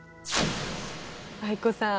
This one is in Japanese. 藍子さん。